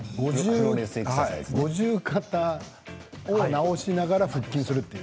五十肩を治しながら腹筋するという。